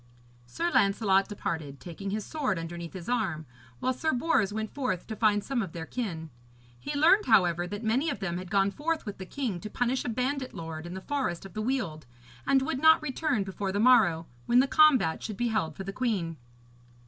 Sir Lancelot departed, taking his sword underneath his arm, while Sir Bors went forth to find some of their kin. He learned, however, that many of them had gone forth with the king to punish a bandit lord in the forest of the Weald, and would not return before the morrow, when the combat should be held for the queen.